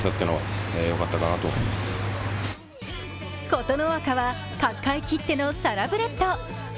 琴ノ若は角界きってのサラブレッド。